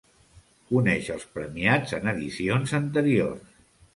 Coneix els premiats en edicions anteriors.